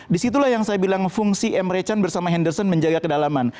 disitulah yang saya bilang fungsi emre chan bersama henderson menjaga kedalaman